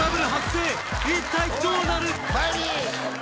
一体どうなる？